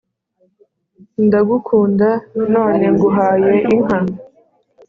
«ndagukunda, none nguhaye inka.»